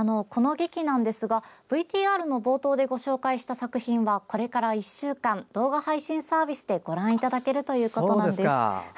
ＶＴＲの冒頭でご紹介した作品はこれから１週間動画配信サービスでご覧いただけるということです。